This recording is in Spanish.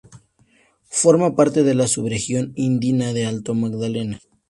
Forma parte de la subregión andina de Alto Magdalena.